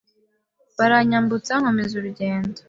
baranyambutsa nkomeza urugendo